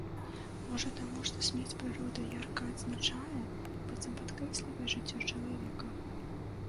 Можа, таму, што смерць прыроды ярка адзначае, быццам падкрэслівае жыццё чалавека?